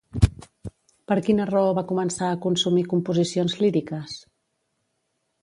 Per quina raó va començar a consumir composicions líriques?